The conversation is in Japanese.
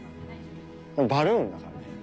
バルーンだからね。